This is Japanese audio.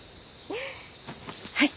はい。